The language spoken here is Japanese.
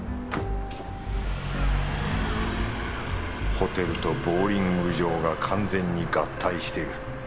ホテルとボウリング場が完全に合体してる。